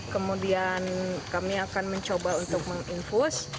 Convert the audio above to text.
kemudian kami akan mencoba untuk menginfus